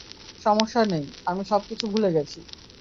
সমস্যা নেই, আমি সব কিছু ভুলে গেছি।